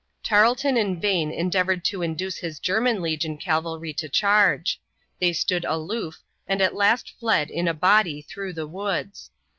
Tarleton in vain endeavored to induce his German legion cavalry to charge; they stood aloof and at last fled in a body through the woods.